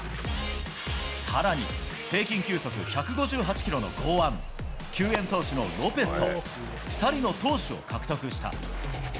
さらに、平均球速１５８キロの剛腕、救援投手のロペスと、２人の投手を獲得した。